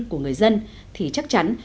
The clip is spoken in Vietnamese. của người dân thì chắc chắn